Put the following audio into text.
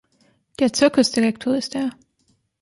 Der Zirkusdirektor ist er.